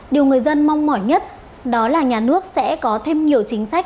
điều người dân mong mỏi nhất đó là nhà nước sẽ có thêm nhiều chính sách